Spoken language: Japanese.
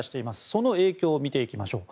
その影響を見ていきましょう。